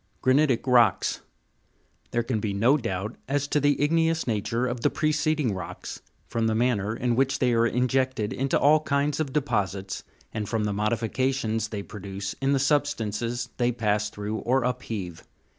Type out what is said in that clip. Granitic rocks. There can be no doubt as to the igneous nature of the preceding rocks, from the manner in which they are injected into all kinds of deposits, and from the modifications they produce in the substances they pass through or upheave.